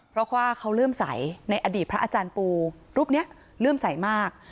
เพราะว่าเขาเลื่อมใสในอดีตพระอาจารย์ปูรูปนี้เลื่อมใสมาก